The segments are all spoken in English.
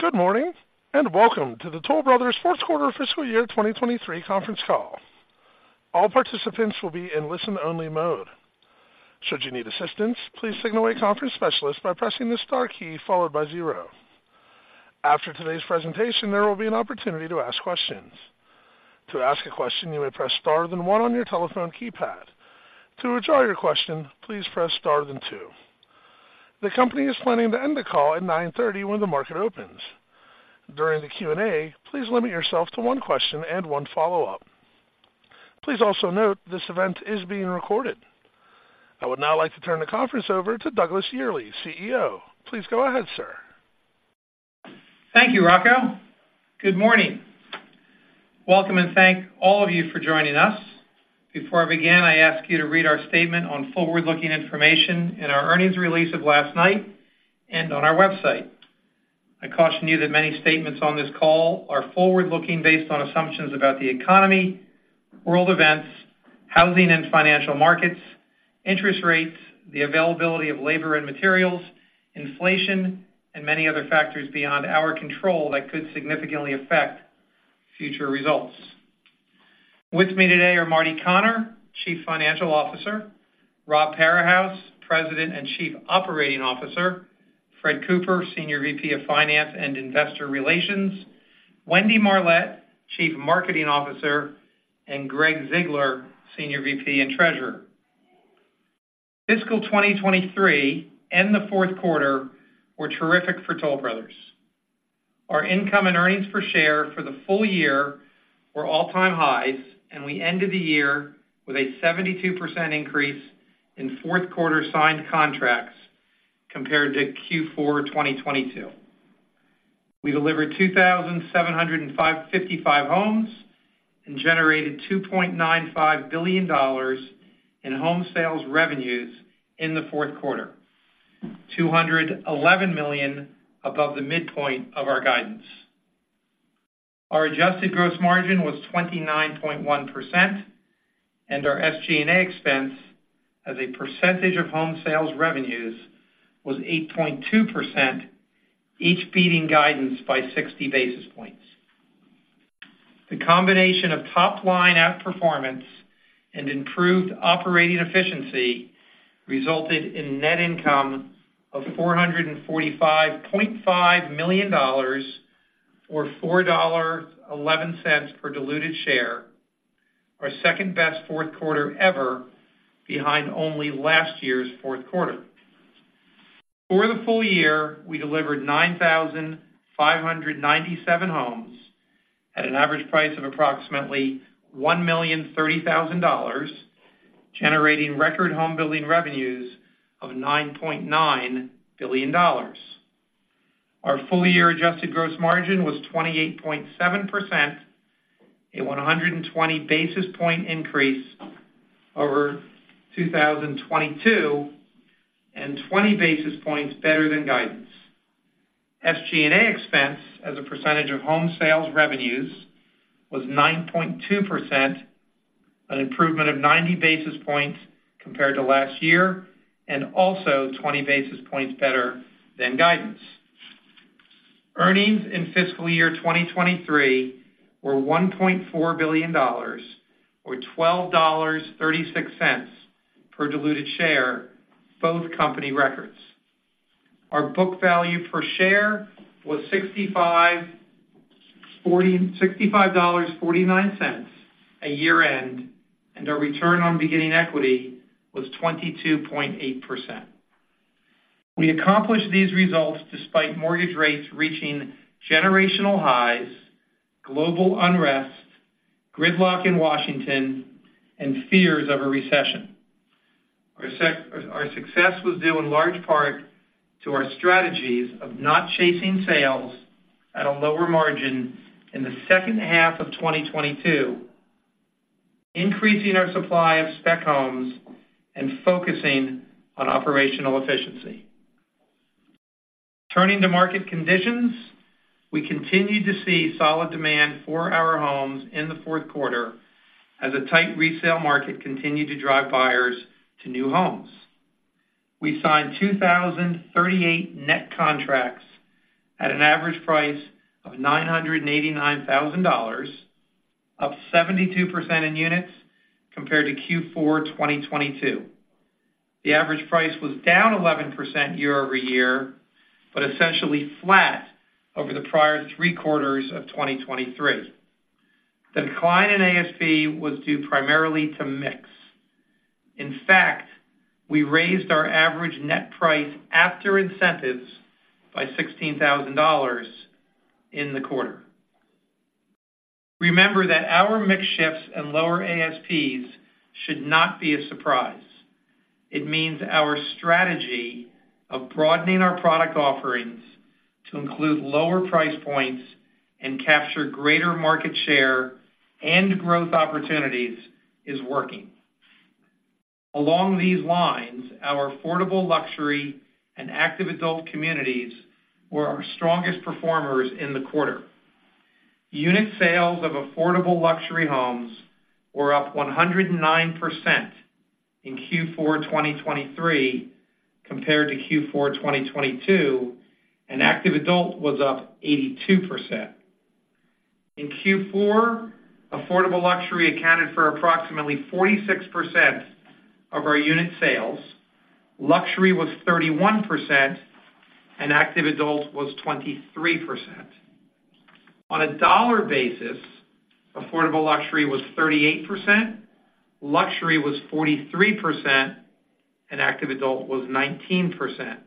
Good morning, and welcome to the Toll Brothers' fourth quarter fiscal year 2023 conference call. All participants will be in listen-only mode. Should you need assistance, please signal a conference specialist by pressing the star key followed by 0. After today's presentation, there will be an opportunity to ask questions. To ask a question, you may press star, then 1 on your telephone keypad. To withdraw your question, please press star, then 2. The company is planning to end the call at 9:30 A.M. when the market opens. During the Q&A, please limit yourself to one question and one follow-up. Please also note this event is being recorded. I would now like to turn the conference over to Douglas Yearley, CEO. Please go ahead, sir. Thank you, Rocco. Good morning. Welcome, and thank all of you for joining us. Before I begin, I ask you to read our statement on forward-looking information in our earnings release of last night and on our website. I caution you that many statements on this call are forward-looking, based on assumptions about the economy, world events, housing and financial markets, interest rates, the availability of labor and materials, inflation, and many other factors beyond our control that could significantly affect future results. With me today are Marty Connor, Chief Financial Officer, Rob Parahus, President and Chief Operating Officer, Fred Cooper, Senior VP of Finance and Investor Relations, Wendy Marlett, Chief Marketing Officer, and Gregg Ziegler, Senior VP and Treasurer. Fiscal 2023 and the fourth quarter were terrific for Toll Brothers. Our income and earnings per share for the full year were all-time highs, and we ended the year with a 72% increase in fourth quarter signed contracts compared to Q4 2022. We delivered 2,755 homes and generated $2.95 billion in home sales revenues in the fourth quarter, $211 million above the midpoint of our guidance. Our adjusted gross margin was 29.1%, and our SG&A expense as a percentage of home sales revenues was 8.2%, each beating guidance by 60 basis points. The combination of top-line outperformance and improved operating efficiency resulted in net income of $445.5 million, or $4.11 per diluted share, our second-best fourth quarter ever, behind only last year's fourth quarter. For the full year, we delivered 9,597 homes at an average price of approximately $1.03 million, generating record home building revenues of $9.9 billion. Our full-year adjusted gross margin was 28.7%, a 120 basis point increase over 2022, and 20 basis points better than guidance. SG&A expense as a percentage of home sales revenues was 9.2%, an improvement of 90 basis points compared to last year and also 20 basis points better than guidance. Earnings in fiscal year 2023 were $1.4 billion, or $12.36 per diluted share, both company records. Our book value per share was $65.49 at year-end, and our return on beginning equity was 22.8%. We accomplished these results despite mortgage rates reaching generational highs, global unrest, gridlock in Washington, and fears of a recession. Our success was due in large part to our strategies of not chasing sales at a lower margin in the second half of 2022, increasing our supply of spec homes and focusing on operational efficiency. Turning to market conditions, we continued to see solid demand for our homes in the fourth quarter as a tight resale market continued to drive buyers to new homes. We signed 2,038 net contracts at an average price of $989,000, up 72% in units compared to Q4 2022. The average price was down 11% year-over-year, but essentially flat over the prior three quarters of 2023. The decline in ASP was due primarily to mix. In fact, we raised our average net price after incentives by $16,000 in the quarter. Remember that our mix shifts and lower ASPs should not be a surprise. It means our strategy of broadening our product offerings to include lower price points and capture greater market share and growth opportunities is working. Along these lines, our affordable luxury and active adult communities were our strongest performers in the quarter... Unit sales of affordable luxury homes were up 109% in Q4 2023 compared to Q4 2022, and active adult was up 82%. In Q4, affordable luxury accounted for approximately 46% of our unit sales, luxury was 31%, and active adult was 23%. On a dollar basis, affordable luxury was 38%, luxury was 43%, and active adult was 19%.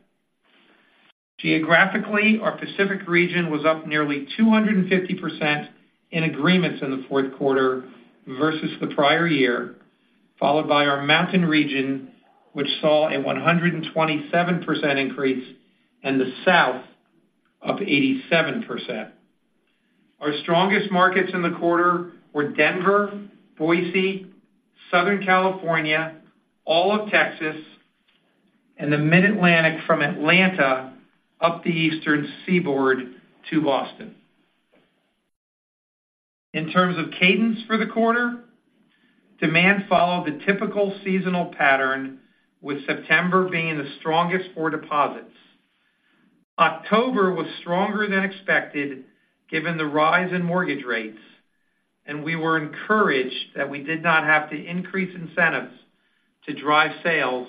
Geographically, our Pacific region was up nearly 250% in agreements in the fourth quarter versus the prior year, followed by our Mountain region, which saw a 127% increase, and the South, up 87%. Our strongest markets in the quarter were Denver, Boise, Southern California, all of Texas, and the Mid-Atlantic, from Atlanta up the Eastern Seaboard to Boston. In terms of cadence for the quarter, demand followed the typical seasonal pattern, with September being the strongest for deposits. October was stronger than expected, given the rise in mortgage rates, and we were encouraged that we did not have to increase incentives to drive sales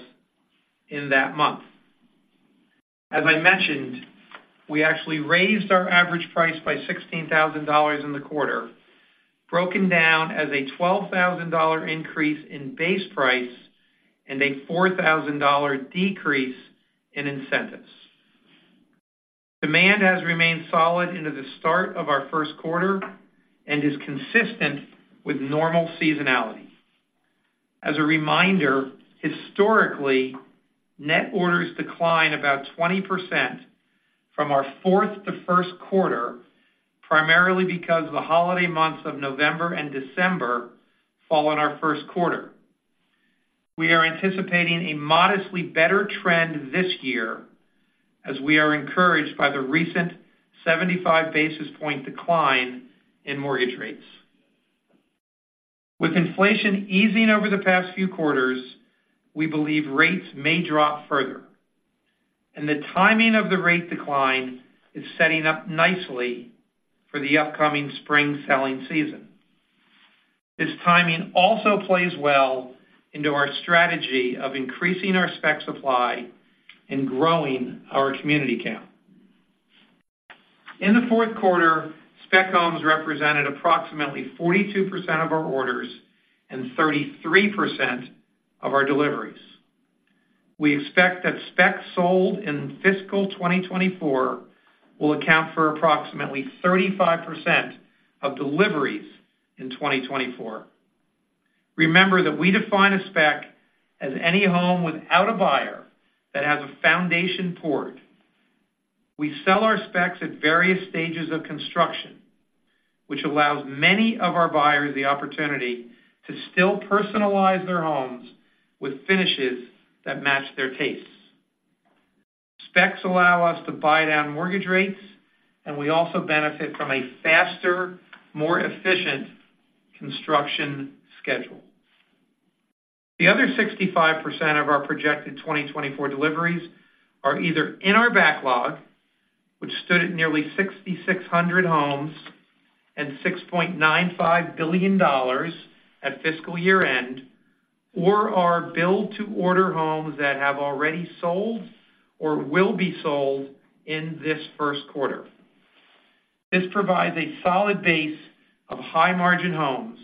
in that month. As I mentioned, we actually raised our average price by $16,000 in the quarter, broken down as a $12,000 increase in base price and a $4,000 decrease in incentives. Demand has remained solid into the start of our first quarter and is consistent with normal seasonality. As a reminder, historically, net orders decline about 20% from our fourth to first quarter, primarily because the holiday months of November and December fall in our first quarter. We are anticipating a modestly better trend this year, as we are encouraged by the recent 75 basis points decline in mortgage rates. With inflation easing over the past few quarters, we believe rates may drop further, and the timing of the rate decline is setting up nicely for the upcoming spring selling season. This timing also plays well into our strategy of increasing our spec supply and growing our community count. In the fourth quarter, spec homes represented approximately 42% of our orders and 33% of our deliveries. We expect that specs sold in fiscal 2024 will account for approximately 35% of deliveries in 2024. Remember that we define a spec as any home without a buyer that has a foundation poured. We sell our specs at various stages of construction, which allows many of our buyers the opportunity to still personalize their homes with finishes that match their tastes. Specs allow us to buy down mortgage rates, and we also benefit from a faster, more efficient construction schedule. The other 65% of our projected 2024 deliveries are either in our backlog, which stood at nearly 6,600 homes and $6.95 billion at fiscal year-end, or are build to order homes that have already sold or will be sold in this first quarter. This provides a solid base of high-margin homes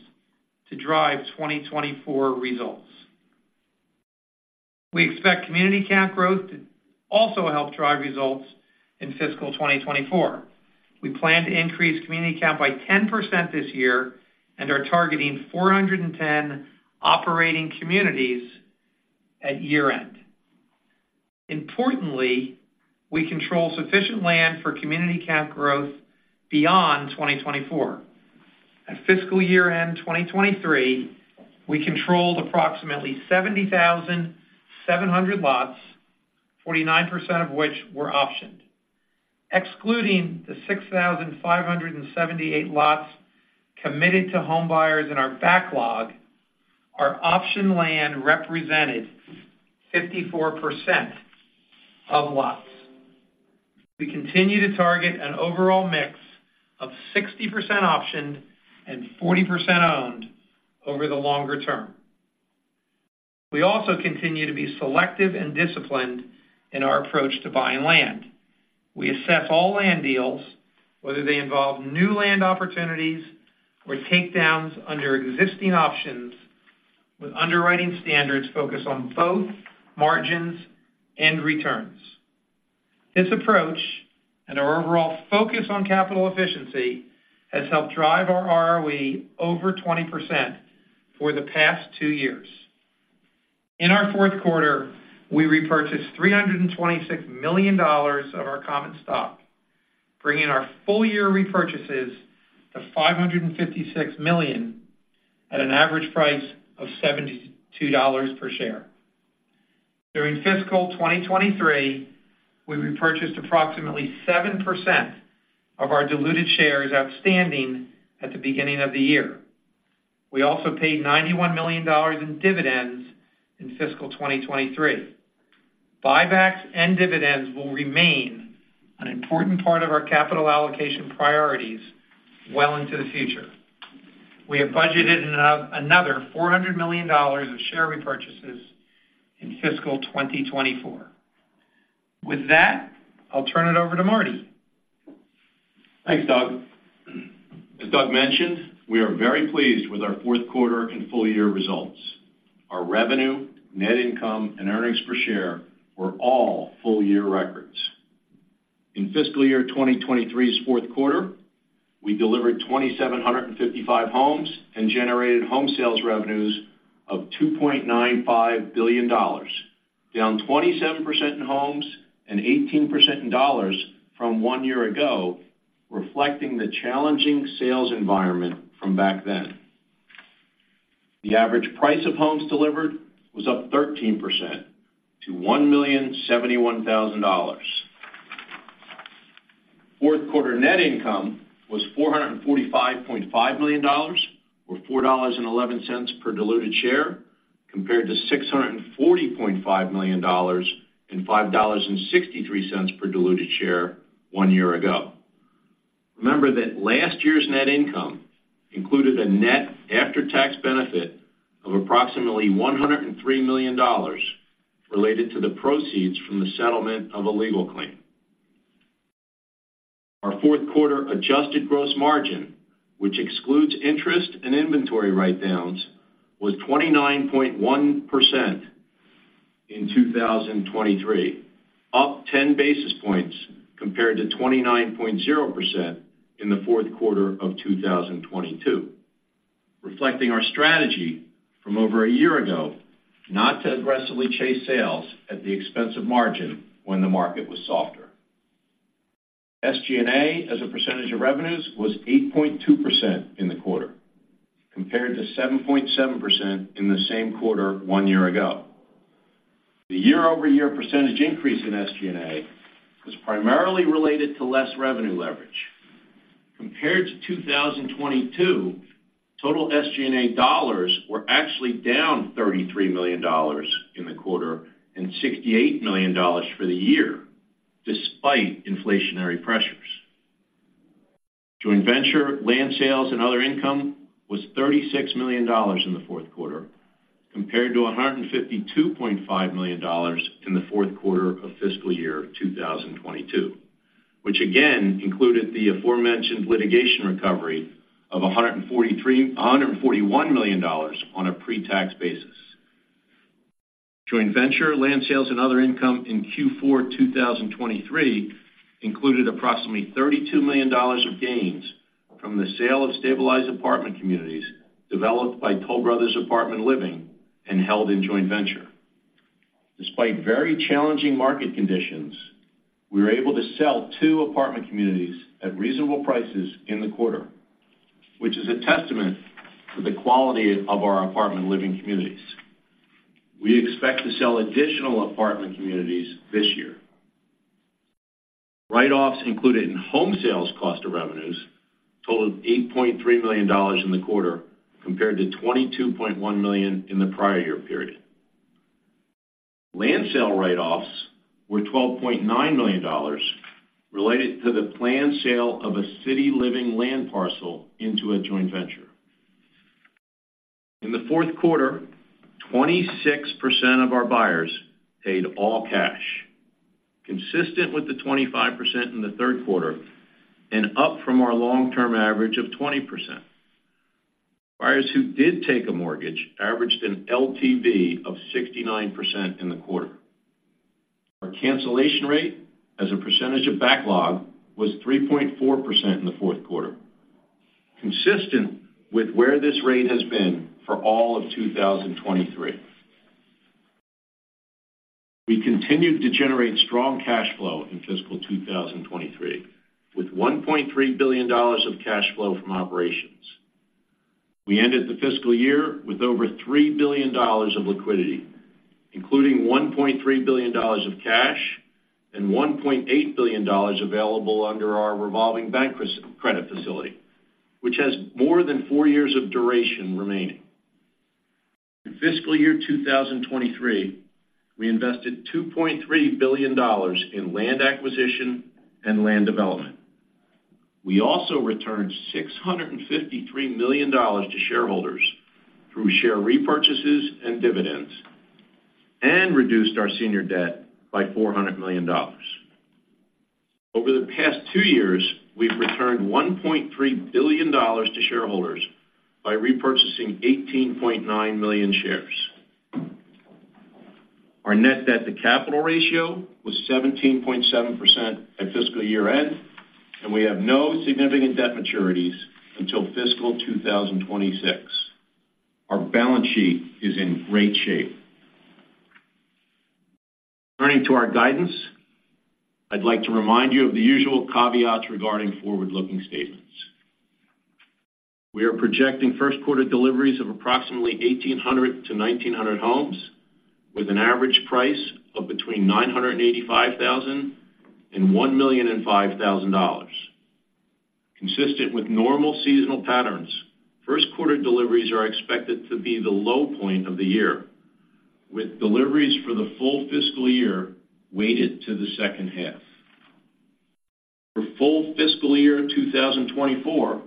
to drive 2024 results. We expect community count growth to also help drive results in fiscal 2024. We plan to increase community count by 10% this year and are targeting 410 operating communities at year-end. Importantly, we control sufficient land for community count growth beyond 2024. At fiscal year-end 2023, we controlled approximately 70,700 lots, 49% of which were optioned. Excluding the 6,578 lots committed to homebuyers in our backlog, our optioned land represented 54% of lots. We continue to target an overall mix of 60% optioned and 40% owned over the longer term. We also continue to be selective and disciplined in our approach to buying land. We assess all land deals, whether they involve new land opportunities or takedowns under existing options, with underwriting standards focused on both margins and returns. This approach, and our overall focus on capital efficiency, has helped drive our ROE over 20% for the past two years. In our fourth quarter, we repurchased $326 million of our common stock, bringing our full-year repurchases to $556 million at an average price of $72 per share. During fiscal 2023, we repurchased approximately 7% of our diluted shares outstanding at the beginning of the year. We also paid $91 million in dividends in fiscal 2023. Buybacks and dividends will remain an important part of our capital allocation priorities well into the future. We have budgeted another $400 million of share repurchases in fiscal 2024. With that, I'll turn it over to Marty. Thanks, Doug. As Doug mentioned, we are very pleased with our fourth quarter and full year results. Our revenue, net income, and earnings per share were all full-year records. In fiscal year 2023's fourth quarter, we delivered 2,755 homes and generated home sales revenues of $2.95 billion, down 27% in homes and 18% in dollars from one year ago, reflecting the challenging sales environment from back then. The average price of homes delivered was up 13% to $1,071,000. Fourth quarter net income was $445.5 million, or $4.11 per diluted share, compared to $640.5 million and $5.63 per diluted share one year ago. Remember that last year's net income included a net after-tax benefit of approximately $103 million related to the proceeds from the settlement of a legal claim. Our fourth quarter adjusted gross margin, which excludes interest and inventory write-downs, was 29.1% in 2023, up 10 basis points compared to 29.0% in the fourth quarter of 2022, reflecting our strategy from over a year ago not to aggressively chase sales at the expense of margin when the market was softer. SG&A, as a percentage of revenues, was 8.2% in the quarter, compared to 7.7% in the same quarter one year ago. The year-over-year percentage increase in SG&A was primarily related to less revenue leverage. Compared to 2022, total SG&A dollars were actually down $33 million in the quarter, and $68 million for the year, despite inflationary pressures. Joint venture, land sales, and other income was $36 million in the fourth quarter, compared to $152.5 million in the fourth quarter of fiscal year 2022, which again included the aforementioned litigation recovery of $141 million on a pre-tax basis. Joint venture, land sales, and other income in Q4 2023 included approximately $32 million of gains from the sale of stabilized apartment communities developed by Toll Brothers Apartment Living and held in joint venture. Despite very challenging market conditions, we were able to sell 2 apartment communities at reasonable prices in the quarter, which is a testament to the quality of our apartment living communities. We expect to sell additional apartment communities this year. Write-offs included in home sales cost of revenues totaled $8.3 million in the quarter, compared to $22.1 million in the prior year period. Land sale write-offs were $12.9 million, related to the planned sale of a City Living land parcel into a joint venture. In the fourth quarter, 26% of our buyers paid all cash, consistent with the 25% in the third quarter, and up from our long-term average of 20%. Buyers who did take a mortgage averaged an LTV of 69% in the quarter. Our cancellation rate as a percentage of backlog was 3.4% in the fourth quarter, consistent with where this rate has been for all of 2023. We continued to generate strong cash flow in fiscal 2023, with $1.3 billion of cash flow from operations. We ended the fiscal year with over $3 billion of liquidity, including $1.3 billion of cash and $1.8 billion available under our revolving bank credit facility, which has more than four years of duration remaining. In fiscal year 2023, we invested $2.3 billion in land acquisition and land development. We also returned $653 million to shareholders through share repurchases and dividends, and reduced our senior debt by $400 million. Over the past two years, we've returned $1.3 billion to shareholders by repurchasing 18.9 million shares. Our net debt to capital ratio was 17.7% at fiscal year-end, and we have no significant debt maturities until fiscal 2026. Our balance sheet is in great shape. Turning to our guidance, I'd like to remind you of the usual caveats regarding forward-looking statements.... We are projecting first quarter deliveries of approximately 1,800-1,900 homes, with an average price of between $985,000 and $1,005,000. Consistent with normal seasonal patterns, first quarter deliveries are expected to be the low point of the year, with deliveries for the full fiscal year weighted to the second half. For full fiscal year 2024,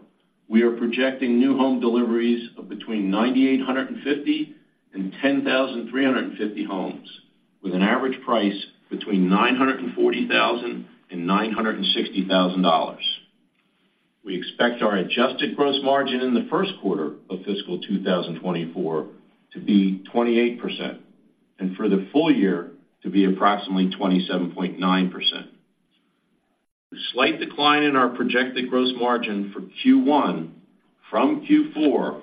we are projecting new home deliveries of between 9,850 and 10,350 homes, with an average price between $940,000 and $960,000. We expect our adjusted gross margin in the first quarter of fiscal 2024 to be 28%, and for the full year to be approximately 27.9%. The slight decline in our projected gross margin for Q1 from Q4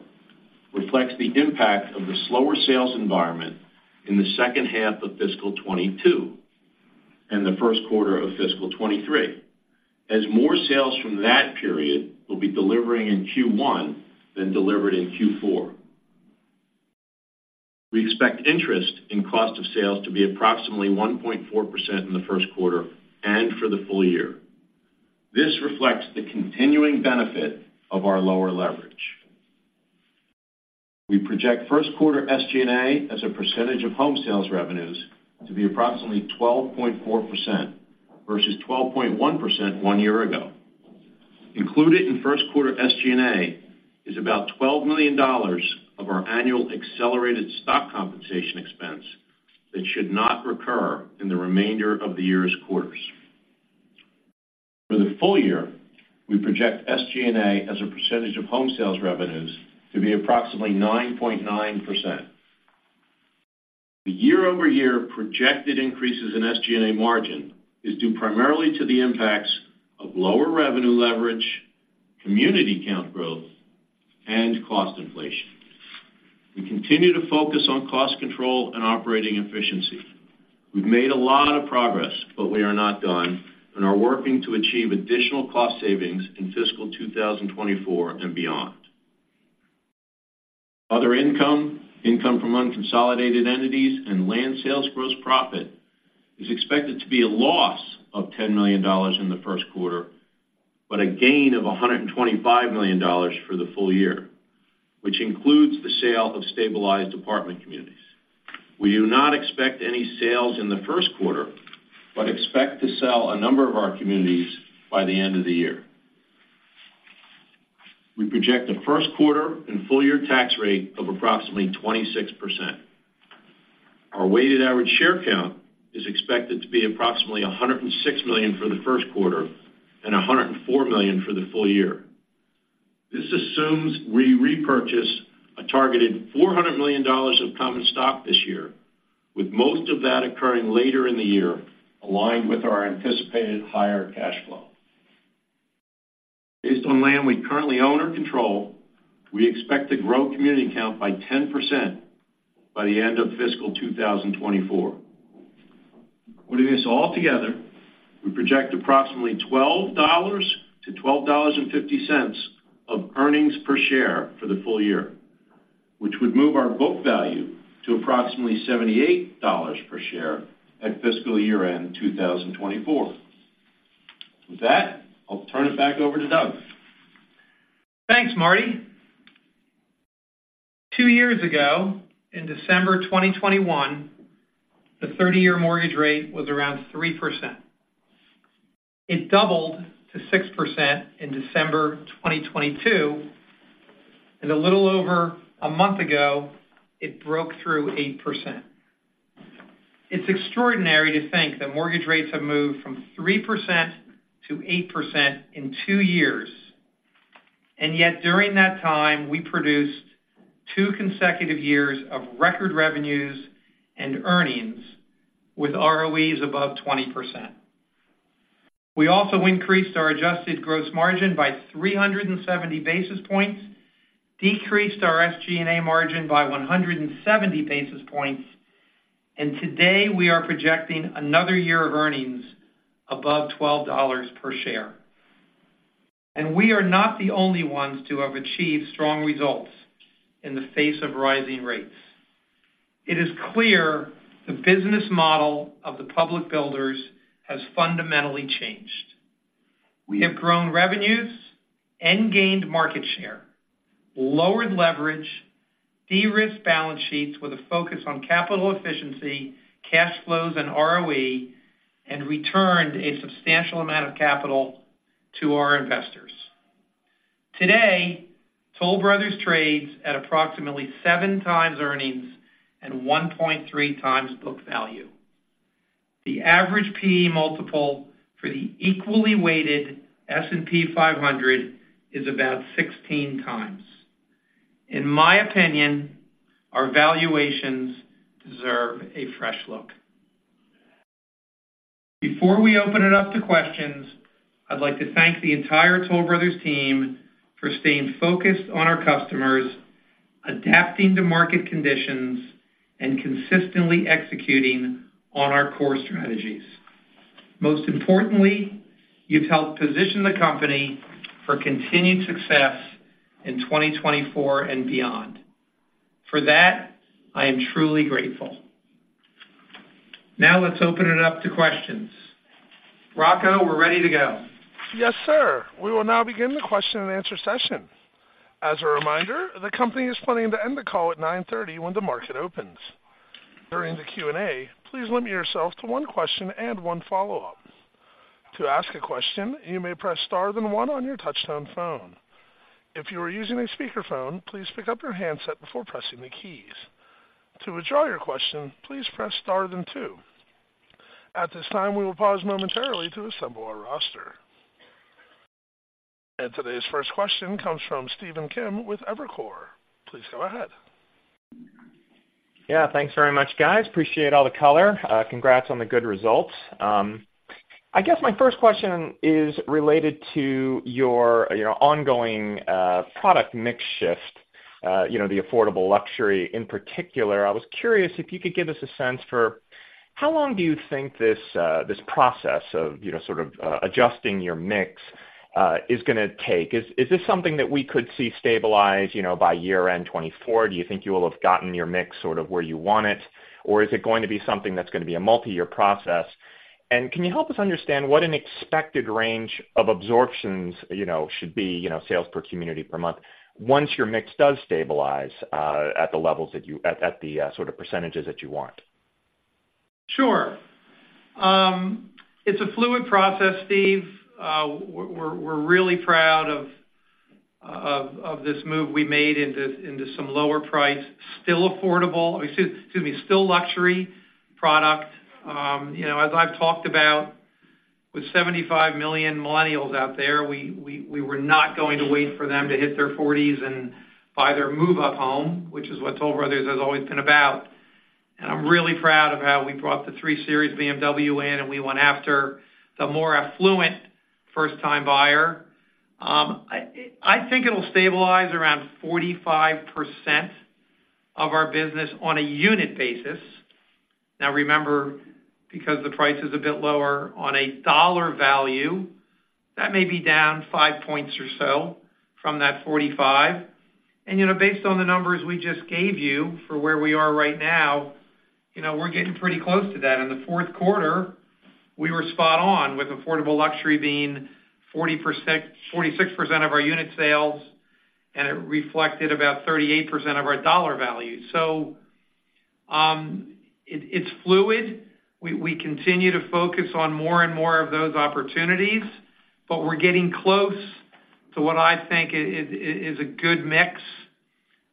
reflects the impact of the slower sales environment in the second half of fiscal 2022 and the first quarter of fiscal 2023, as more sales from that period will be delivering in Q1 than delivered in Q4. We expect interest in cost of sales to be approximately 1.4% in the first quarter and for the full year. This reflects the continuing benefit of our lower leverage. We project first quarter SG&A as a percentage of home sales revenues to be approximately 12.4% versus 12.1% one year ago. Included in first quarter SG&A is about $12 million of our annual accelerated stock compensation expense that should not recur in the remainder of the year's quarters. For the full year, we project SG&A as a percentage of home sales revenues to be approximately 9.9%. The year-over-year projected increases in SG&A margin is due primarily to the impacts of lower revenue leverage, community count growth, and cost inflation. We continue to focus on cost control and operating efficiency. We've made a lot of progress, but we are not done, and are working to achieve additional cost savings in fiscal 2024 and beyond. Other income, income from unconsolidated entities and land sales gross profit, is expected to be a loss of $10 million in the first quarter, but a gain of $125 million for the full year, which includes the sale of stabilized apartment communities. We do not expect any sales in the first quarter, but expect to sell a number of our communities by the end of the year. We project a first quarter and full year tax rate of approximately 26%. Our weighted average share count is expected to be approximately 106 million for the first quarter and 104 million for the full year. This assumes we repurchase a targeted $400 million of common stock this year, with most of that occurring later in the year, aligned with our anticipated higher cash flow. Based on land we currently own or control, we expect to grow community count by 10% by the end of fiscal 2024. Putting this all together, we project approximately $12-$12.50 of earnings per share for the full year, which would move our book value to approximately $78 per share at fiscal year-end 2024. With that, I'll turn it back over to Doug. Thanks, Marty. Two years ago, in December 2021, the 30-year mortgage rate was around 3%. It doubled to 6% in December 2022, and a little over a month ago, it broke through 8%. It's extraordinary to think that mortgage rates have moved from 3% to 8% in two years, and yet during that time, we produced two consecutive years of record revenues and earnings with ROEs above 20%. We also increased our adjusted gross margin by 370 basis points, decreased our SG&A margin by 170 basis points, and today we are projecting another year of earnings above $12 per share. We are not the only ones to have achieved strong results in the face of rising rates. It is clear the business model of the public builders has fundamentally changed. We have grown revenues and gained market share, lowered leverage, derisked balance sheets with a focus on capital efficiency, cash flows, and ROE, and returned a substantial amount of capital to our investors. Today, Toll Brothers trades at approximately 7x earnings and 1.3x book value. The average PE multiple for the equally weighted S&P 500 is about 16x. In my opinion, our valuations deserve a fresh look. Before we open it up to questions, I'd like to thank the entire Toll Brothers team for staying focused on our customers, adapting to market conditions, and consistently executing on our core strategies.... Most importantly, you've helped position the company for continued success in 2024 and beyond. For that, I am truly grateful. Now let's open it up to questions. Rocco, we're ready to go. Yes, sir. We will now begin the question and answer session. As a reminder, the company is planning to end the call at 9:30 A.M. when the market opens. During the Q&A, please limit yourself to one question and one follow-up. To ask a question, you may press Star, then one on your touchtone phone. If you are using a speakerphone, please pick up your handset before pressing the keys. To withdraw your question, please press Star, then two. At this time, we will pause momentarily to assemble our roster. Today's first question comes from Stephen Kim with Evercore. Please go ahead. Yeah, thanks very much, guys. Appreciate all the color. Congrats on the good results. I guess my first question is related to your, your ongoing, product mix shift, you know, the affordable luxury in particular. I was curious if you could give us a sense for how long do you think this, this process of, you know, sort of, adjusting your mix, is gonna take? Is, is this something that we could see stabilize, you know, by year-end 2024? Do you think you will have gotten your mix sort of where you want it, or is it going to be something that's gonna be a multi-year process? Can you help us understand what an expected range of absorptions, you know, should be, you know, sales per community per month, once your mix does stabilize at the sort of percentages that you want? Sure. It's a fluid process, Steve. We're really proud of this move we made into some lower price, still affordable... Excuse me, still luxury product. You know, as I've talked about, with 75 million millennials out there, we were not going to wait for them to hit their 40s and buy their move-up home, which is what Toll Brothers has always been about. And I'm really proud of how we brought the 3 Series BMW in, and we went after the more affluent first-time buyer. I think it'll stabilize around 45% of our business on a unit basis. Now, remember, because the price is a bit lower on a dollar value, that may be down 5 points or so from that 45. You know, based on the numbers we just gave you for where we are right now, you know, we're getting pretty close to that. In the fourth quarter, we were spot on with affordable luxury being 40%--46% of our unit sales, and it reflected about 38% of our dollar value. So, it's fluid. We continue to focus on more and more of those opportunities, but we're getting close to what I think is a good mix.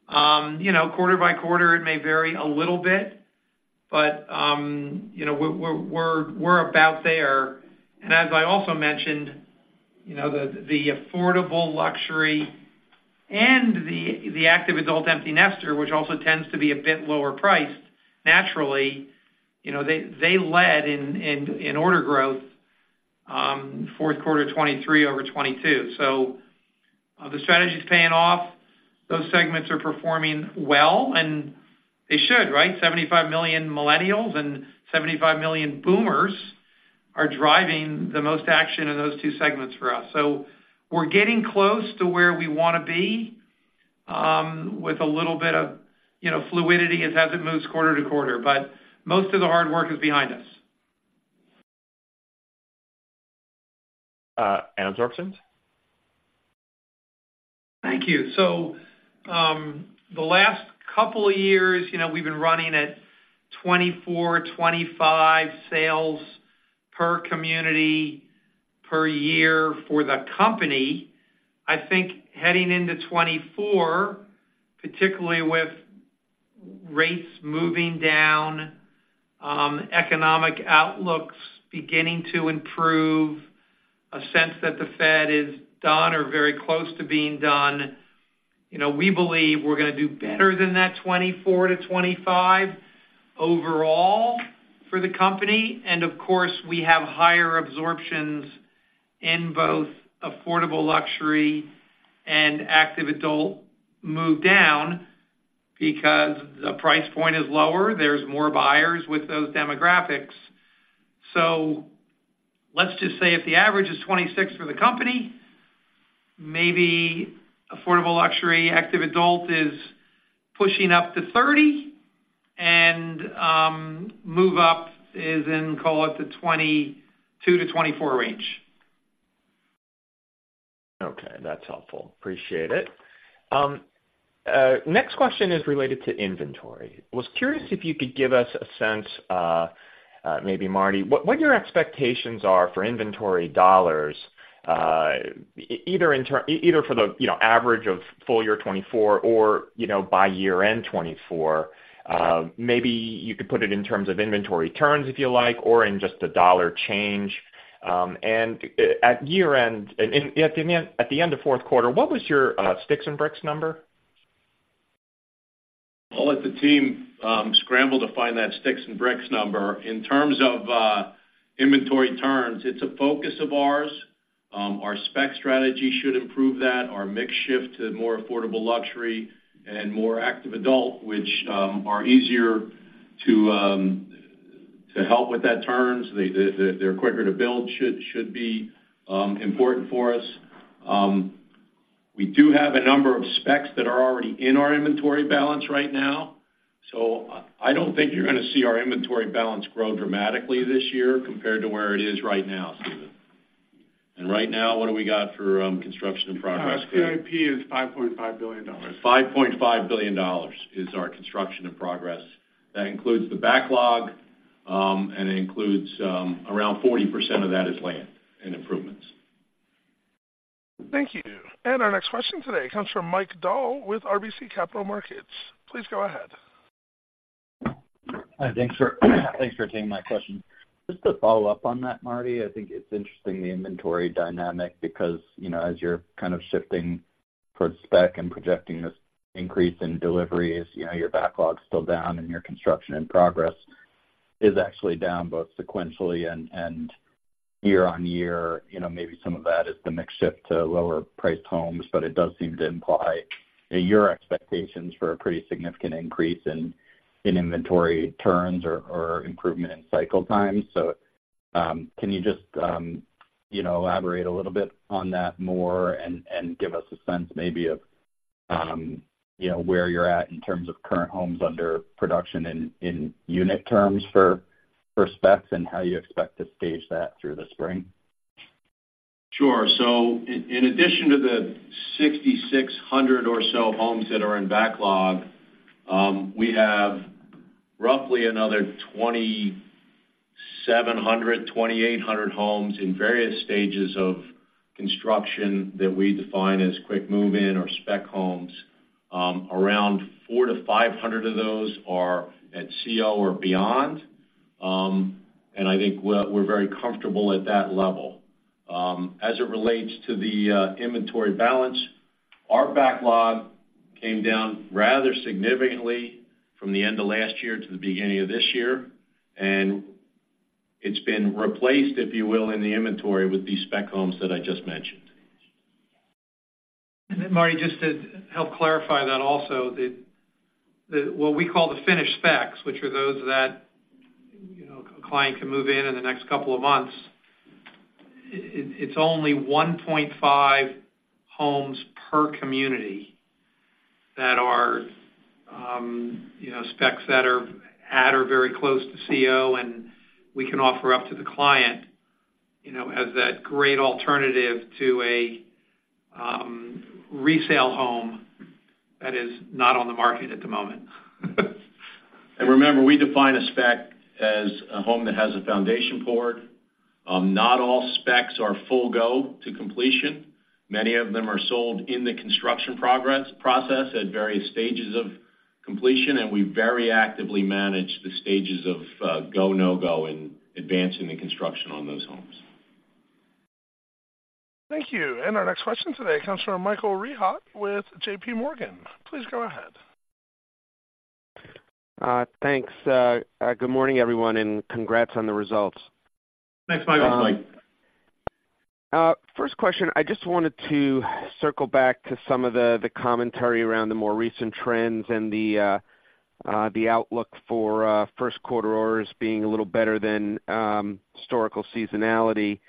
You know, quarter by quarter, it may vary a little bit, but, you know, we're about there. And as I also mentioned, you know, the affordable luxury and the active adult empty nester, which also tends to be a bit lower priced, naturally, you know, they led in order growth, fourth quarter 2023 over 2022. So the strategy is paying off. Those segments are performing well, and they should, right? 75 million millennials and 75 million boomers are driving the most action in those two segments for us. So we're getting close to where we want to be, with a little bit of, you know, fluidity as it moves quarter to quarter, but most of the hard work is behind us. And absorptions? Thank you. So, the last couple of years, you know, we've been running at 24, 25 sales per community per year for the company. I think heading into 2024, particularly with rates moving down, economic outlooks beginning to improve, a sense that the Fed is done or very close to being done, you know, we believe we're gonna do better than that 24-25 overall for the company. And of course, we have higher absorptions in both affordable luxury and active adult move down because the price point is lower. There's more buyers with those demographics. So let's just say if the average is 26 for the company, maybe affordable luxury, active adult is pushing up to 30, and, move up is in, call it, the 22-24 range. Okay, that's helpful. Appreciate it. Next question is related to inventory. Was curious if you could give us a sense, maybe Marty, what your expectations are for inventory dollars, either for the, you know, average of full year 2024 or, you know, by year-end 2024. Maybe you could put it in terms of inventory turns, if you like, or in just a dollar change. And at year-end, and at the end of fourth quarter, what was your sticks and bricks number? I'll let the team scramble to find that sticks and bricks number. In terms of inventory turns, it's a focus of ours.... our spec strategy should improve that. Our mix shift to more affordable luxury and more active adult, which are easier to help with that turns, they're quicker to build, should be important for us. We do have a number of specs that are already in our inventory balance right now, so I don't think you're gonna see our inventory balance grow dramatically this year compared to where it is right now, Stephen. And right now, what do we got for construction in progress? CIP is $5.5 billion. $5.5 billion is our construction in progress. That includes the backlog, and it includes, around 40% of that is land and improvements. Thank you. Our next question today comes from Mike Dahl with RBC Capital Markets. Please go ahead. Hi, thanks for taking my question. Just to follow up on that, Marty, I think it's interesting, the inventory dynamic, because, you know, as you're kind of shifting towards spec and projecting this increase in deliveries, you know, your backlog's still down and your construction in progress is actually down both sequentially and year-on-year. You know, maybe some of that is the mix shift to lower-priced homes, but it does seem to imply that your expectations for a pretty significant increase in inventory turns or improvement in cycle times. So, can you just, you know, elaborate a little bit on that more and give us a sense maybe of, you know, where you're at in terms of current homes under production in unit terms for specs, and how you expect to stage that through the spring? Sure. So in addition to the 6,600 or so homes that are in backlog, we have roughly another 2,700, 2,800 homes in various stages of construction that we define as quick move-in or spec homes. Around 400-500 of those are at CO or beyond, and I think we're very comfortable at that level. As it relates to the inventory balance, our backlog came down rather significantly from the end of last year to the beginning of this year, and it's been replaced, if you will, in the inventory with these spec homes that I just mentioned. Then, Marty, just to help clarify that also, what we call the finished specs, which are those that, you know, a client can move in in the next couple of months, it's only 1.5 homes per community that are, you know, specs that are at or very close to CO, and we can offer up to the client, you know, as that great alternative to a resale home that is not on the market at the moment. And remember, we define a spec as a home that has a foundation poured. Not all specs are full go to completion. Many of them are sold in the construction process at various stages of completion, and we very actively manage the stages of go, no-go in advancing the construction on those homes. Thank you. And our next question today comes from Michael Rehaut with JPMorgan. Please go ahead. Thanks. Good morning, everyone, and congrats on the results. Thanks, Mike. First question, I just wanted to circle back to some of the commentary around the more recent trends and the outlook for first quarter orders being a little better than historical seasonality.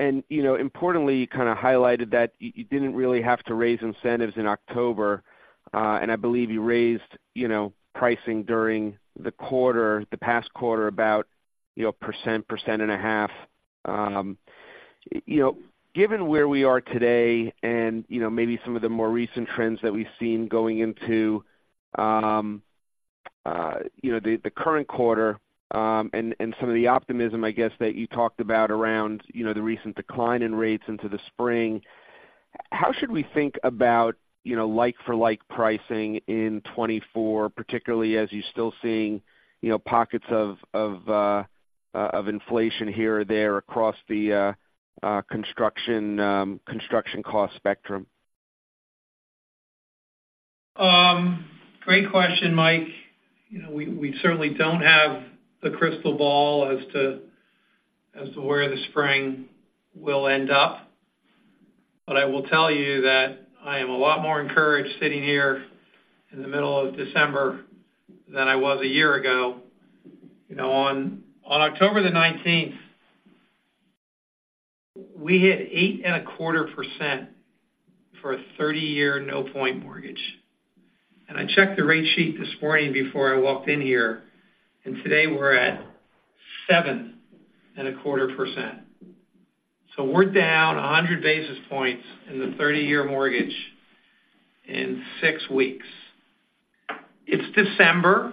And, you know, importantly, you kind of highlighted that you didn't really have to raise incentives in October, and I believe you raised, you know, pricing during the quarter, the past quarter about 1%, 1.5%. You know, given where we are today and, you know, maybe some of the more recent trends that we've seen going into, you know, the current quarter, and some of the optimism, I guess, that you talked about around, you know, the recent decline in rates into the spring, how should we think about, you know, like-for-like pricing in 2024, particularly as you're still seeing, you know, pockets of inflation here or there across the construction cost spectrum? Great question, Mike. You know, we, we certainly don't have the crystal ball as to, as to where the spring will end up, but I will tell you that I am a lot more encouraged sitting here in the middle of December than I was a year ago. You know, on, on October the 19th, we hit 8.25% for a 30-year, no-point mortgage. And I checked the rate sheet this morning before I walked in here, and today we're at 7.25%. So we're down 100 basis points in the 30-year mortgage in 6 weeks. It's December.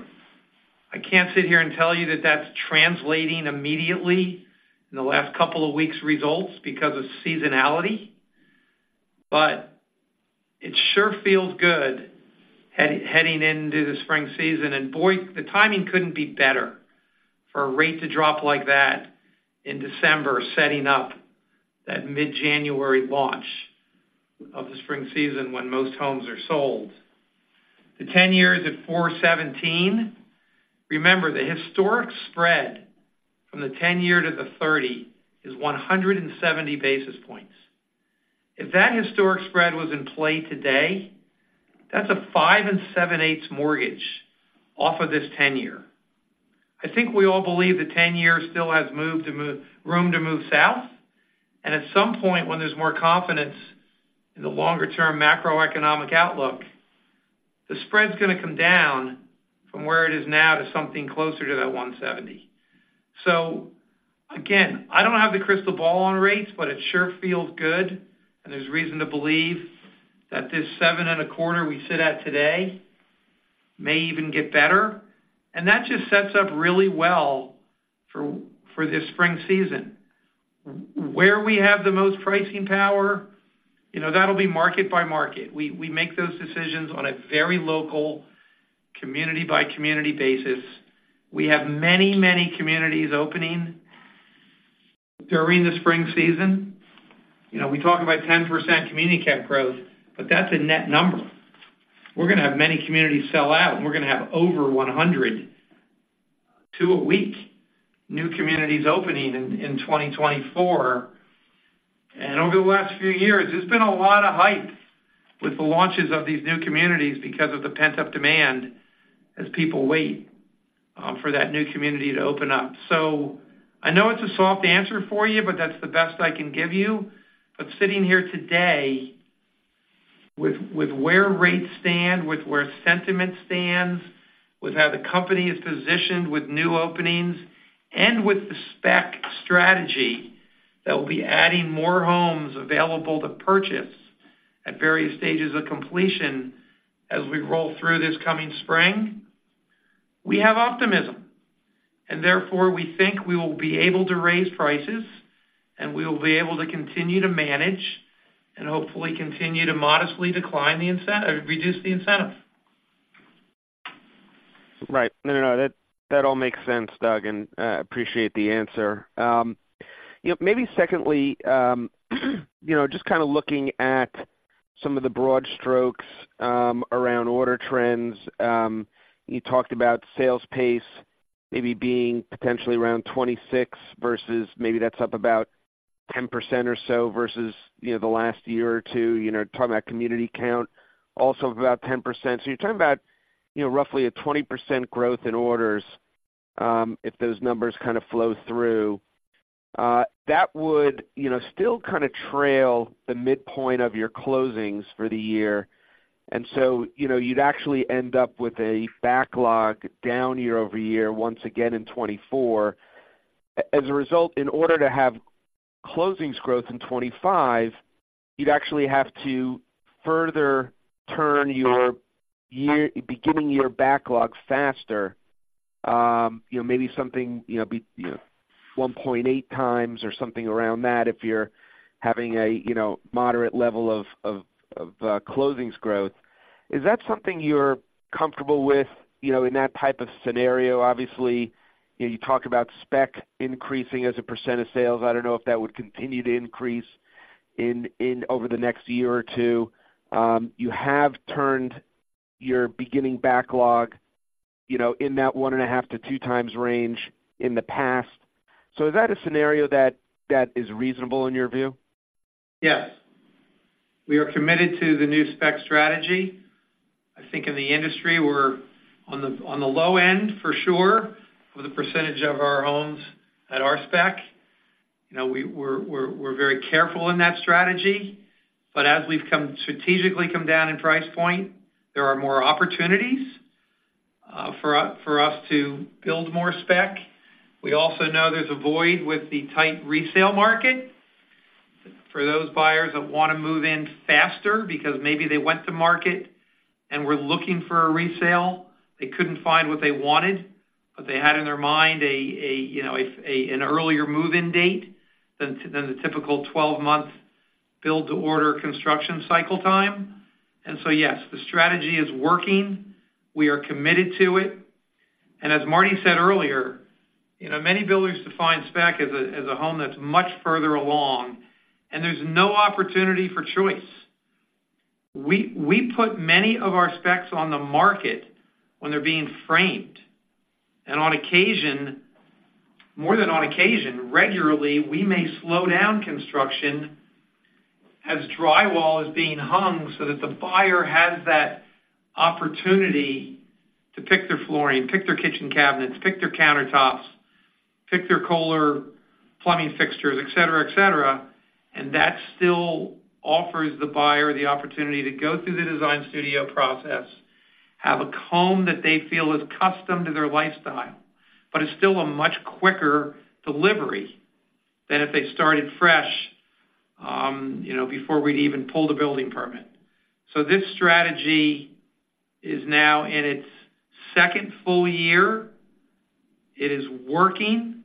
I can't sit here and tell you that that's translating immediately in the last couple of weeks' results because of seasonality, but it sure feels good heading into the spring season. And, boy, the timing couldn't be better for a rate to drop like that in December, setting up that mid-January launch of the spring season when most homes are sold... The 10-year is at 4.17. Remember, the historic spread from the 10-year to the 30 is 170 basis points. If that historic spread was in play today, that's a 5 7/8 mortgage off of this 10-year. I think we all believe the 10-year still has more room to move south, and at some point, when there's more confidence in the longer-term macroeconomic outlook, the spread's gonna come down from where it is now to something closer to that 170. So again, I don't have the crystal ball on rates, but it sure feels good, and there's reason to believe that this 7.25% we sit at today may even get better. And that just sets up really well for this spring season. Where we have the most pricing power, you know, that'll be market by market. We make those decisions on a very local, community-by-community basis. We have many, many communities opening during the spring season. You know, we talk about 10% community count growth, but that's a net number. We're gonna have many communities sell out, and we're gonna have over 100, 2 a week, new communities opening in 2024. Over the last few years, there's been a lot of hype with the launches of these new communities because of the pent-up demand as people wait for that new community to open up. I know it's a soft answer for you, but that's the best I can give you. But sitting here today, with, with where rates stand, with where sentiment stands, with how the company is positioned with new openings, and with the spec strategy, that we'll be adding more homes available to purchase at various stages of completion as we roll through this coming spring, we have optimism, and therefore, we think we will be able to raise prices, and we will be able to continue to manage and hopefully continue to modestly decline the incentive, reduce the incentive. Right. No, no, no, that, that all makes sense, Doug, and appreciate the answer. You know, maybe secondly, you know, just kind of looking at some of the broad strokes around order trends. You talked about sales pace maybe being potentially around 26 versus maybe that's up about 10% or so, versus, you know, the last year or two, you know, talking about community count, also of about 10%. So you're talking about, you know, roughly a 20% growth in orders, if those numbers kind of flow through. That would, you know, still kind of trail the midpoint of your closings for the year, and so, you know, you'd actually end up with a backlog down year-over-year, once again in 2024. As a result, in order to have closings growth in 2025, you'd actually have to further turn your year-beginning year backlog faster. You know, maybe something, you know, be, you know, 1.8 times or something around that if you're having a, you know, moderate level of, of, of, closings growth. Is that something you're comfortable with, you know, in that type of scenario? Obviously, you know, you talk about spec increasing as a percent of sales. I don't know if that would continue to increase in, in- over the next year or two. You have turned your beginning backlog, you know, in that 1.5-2 times range in the past. So is that a scenario that, that is reasonable in your view? Yes. We are committed to the new spec strategy. I think in the industry, we're on the low end, for sure, with a percentage of our homes at our spec. You know, we're very careful in that strategy, but as we've strategically come down in price point, there are more opportunities for us to build more spec. We also know there's a void with the tight resale market for those buyers that wanna move in faster because maybe they went to market and were looking for a resale. They couldn't find what they wanted, but they had in their mind a, you know, an earlier move-in date than the typical 12-month build-to-order construction cycle time. And so, yes, the strategy is working. We are committed to it. And as Marty said earlier, you know, many builders define spec as a home that's much further along, and there's no opportunity for choice. We put many of our specs on the market when they're being framed, and on occasion, more than on occasion, regularly, we may slow down construction as drywall is being hung, so that the buyer has that opportunity to pick their flooring, pick their kitchen cabinets, pick their countertops, pick their Kohler plumbing fixtures, et cetera, et cetera. And that still offers the buyer the opportunity to go through the design studio process, have a home that they feel is custom to their lifestyle, but is still a much quicker delivery than if they started fresh, you know, before we'd even pulled the building permit. So this strategy is now in its second full year. It is working,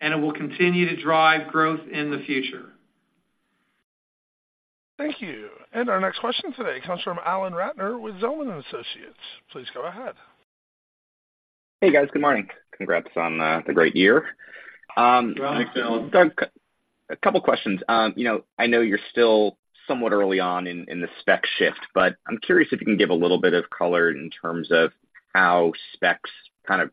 and it will continue to drive growth in the future. Thank you, and our next question today comes from Alan Ratner with Zelman & Associates. Please go ahead. Hey, guys, good morning. Congrats on the great year. Thanks, Alan. Doug, a couple questions. You know, I know you're still somewhat early on in the spec shift, but I'm curious if you can give a little bit of color in terms of how specs kind of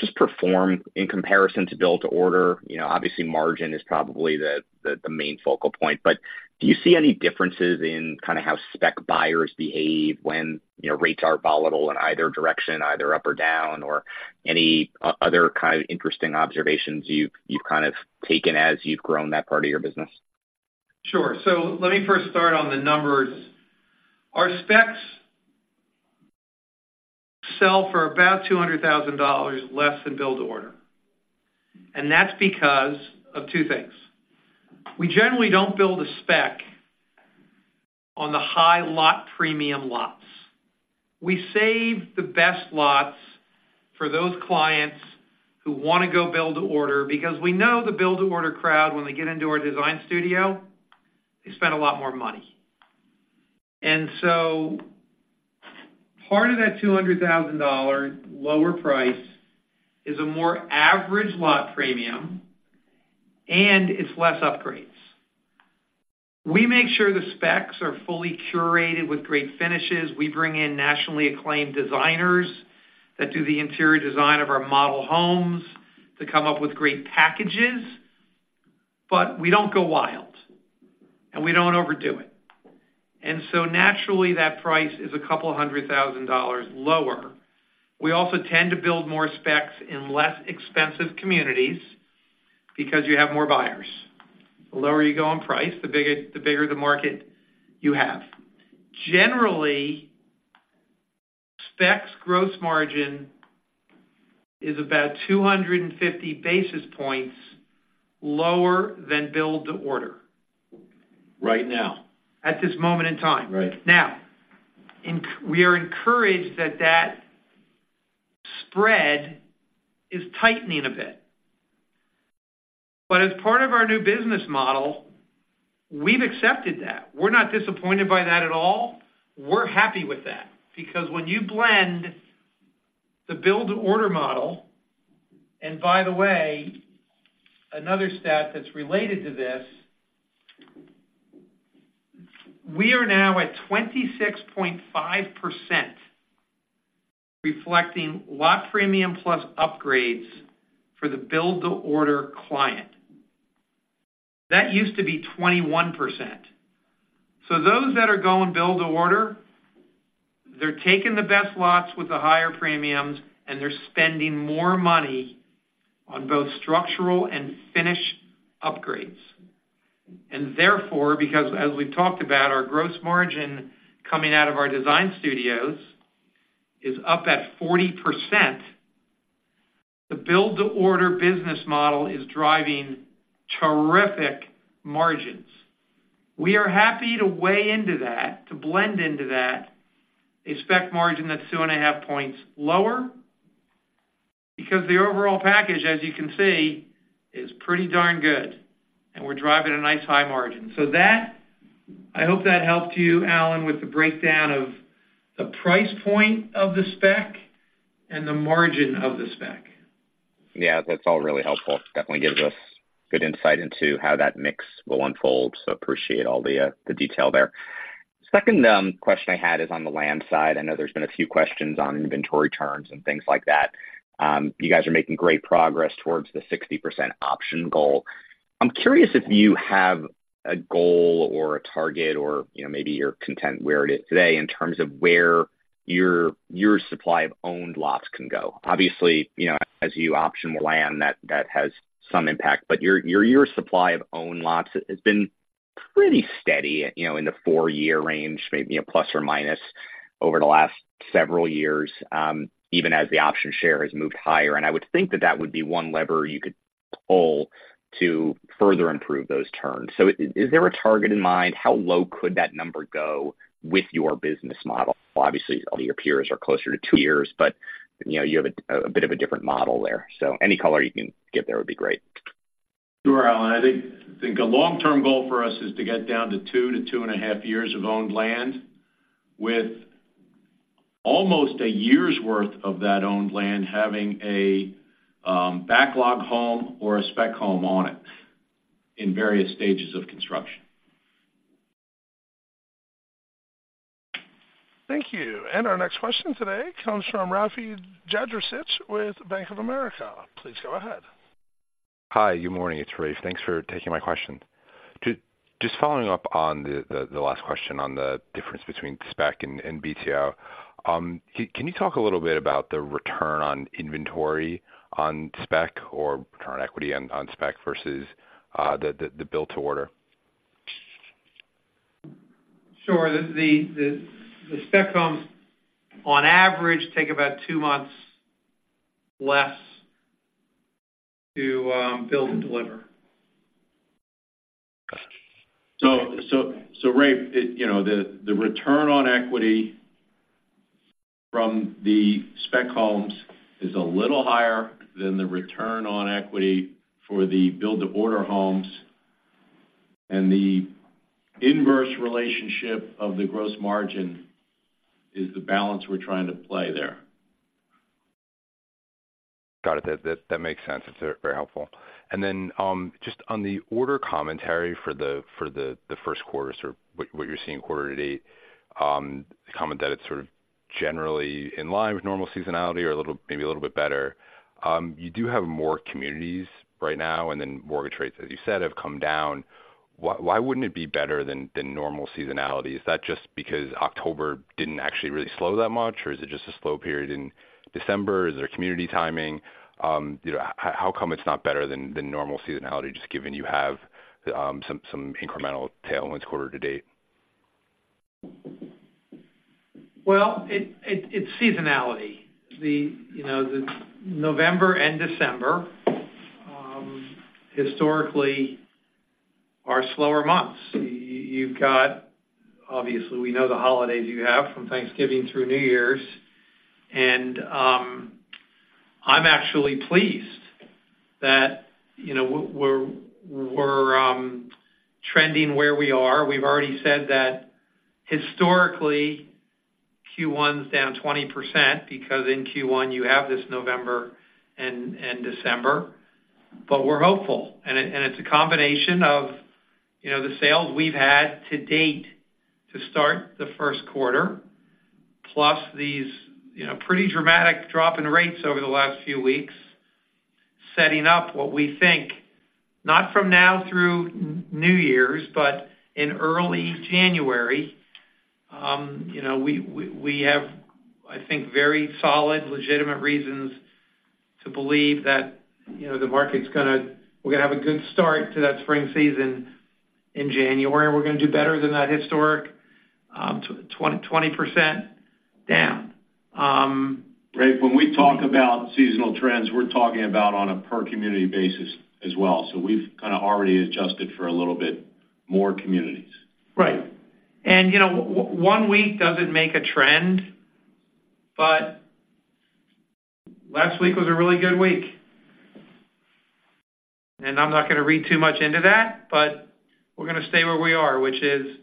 just perform in comparison to build to order. You know, obviously, margin is probably the main focal point, but do you see any differences in kind of how spec buyers behave when, you know, rates are volatile in either direction, either up or down, or any other kind of interesting observations you've kind of taken as you've grown that part of your business? Sure. So let me first start on the numbers. Our specs sell for about $200,000 less than build to order, and that's because of two things. We generally don't build a spec on the high lot premium lots. We save the best lots for those clients who wanna go build to order, because we know the build to order crowd, when they get into our design studio, they spend a lot more money. And so part of that $200,000 lower price is a more average lot premium, and it's less upgrades. We make sure the specs are fully curated with great finishes. We bring in nationally acclaimed designers that do the interior design of our model homes to come up with great packages, but we don't go wild, and we don't overdo it. And so naturally, that price is $200,000 lower. We also tend to build more specs in less expensive communities because you have more buyers. The lower you go on price, the bigger, the bigger the market you have. Generally, specs gross margin is about 250 basis points lower than build to order. Right now? At this moment in time. Right. Now, we are encouraged that that spread is tightening a bit. But as part of our new business model, we've accepted that. We're not disappointed by that at all. We're happy with that, because when you blend the build-to-order model... And by the way, another stat that's related to this, we are now at 26.5%, reflecting lot premium plus upgrades for the build to order client. That used to be 21%. So those that are going build to order, they're taking the best lots with the higher premiums, and they're spending more money on both structural and finish upgrades. And therefore, because as we've talked about, our gross margin coming out of our design studios is up at 40%, the build to order business model is driving terrific margins. We are happy to weigh into that, to blend into that, a spec margin that's 2.5 points lower, because the overall package, as you can see, is pretty darn good, and we're driving a nice high margin. So that, I hope that helped you, Alan, with the breakdown of the price point of the spec and the margin of the spec. Yeah, that's all really helpful. Definitely gives us good insight into how that mix will unfold, so appreciate all the, the detail there. Second, question I had is on the land side. I know there's been a few questions on inventory turns and things like that. You guys are making great progress towards the 60% option goal. I'm curious if you have a goal or a target or, you know, maybe you're content where it is today in terms of where your, your supply of owned lots can go. Obviously, you know, as you option land, that, that has some impact, but your, your, your supply of owned lots has been pretty steady, you know, in the four-year range, maybe, plus or minus, over the last several years, even as the option share has moved higher. I would think that that would be one lever you could pull to further improve those turns. So is there a target in mind? How low could that number go with your business model? Obviously, all your peers are closer to two years, but, you know, you have a bit of a different model there, so any color you can give there would be great. Sure, Alan. I think a long-term goal for us is to get down to 2-2.5 years of owned land, with almost a year's worth of that owned land having a backlog home or a spec home on it in various stages of construction. Thank you. Our next question today comes from Rafe Jadrosich with Bank of America. Please go ahead. Hi, good morning, it's Rafi. Thanks for taking my question. Just following up on the last question on the difference between spec and BTO. Can you talk a little bit about the return on inventory on spec or return on equity on spec versus the build to order? Sure. The spec homes, on average, take about two months less to build and deliver. So, Rafi, you know, the return on equity from the spec homes is a little higher than the return on equity for the build-to-order homes, and the inverse relationship of the gross margin is the balance we're trying to play there. Got it. That makes sense. It's very, very helpful. And then, just on the order commentary for the first quarter, sort of what you're seeing quarter to date, the comment that it's sort of generally in line with normal seasonality or a little, maybe a little bit better. You do have more communities right now, and then mortgage rates, as you said, have come down. Why wouldn't it be better than normal seasonality? Is that just because October didn't actually really slow that much, or is it just a slow period in December? Is there community timing? You know, how come it's not better than normal seasonality, just given you have some incremental tailwinds quarter to date? Well, it's seasonality. The, you know, November and December historically are slower months. You've got... Obviously, we know the holidays you have from Thanksgiving through New Year's, and, I'm actually pleased that, you know, we're, we're trending where we are. We've already said that historically, Q1 is down 20%, because in Q1 you have this November and December, but we're hopeful. It, and it's a combination of, you know, the sales we've had to date to start the first quarter, plus these, you know, pretty dramatic drop in rates over the last few weeks, setting up what we think, not from now through New Year's, but in early January. You know, we have, I think, very solid, legitimate reasons to believe that, you know, the market's gonna, we're gonna have a good start to that spring season in January, and we're gonna do better than that historic 20% down. Right, when we talk about seasonal trends, we're talking about on a per community basis as well. So we've kind of already adjusted for a little bit more communities. Right. And, you know, one week doesn't make a trend, but last week was a really good week. And I'm not going to read too much into that, but we're gonna stay where we are, which is: